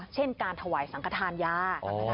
เช่นการถ่วยสังคัญทานยา